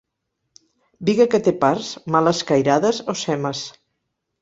Biga que té parts mal escairades, o semes.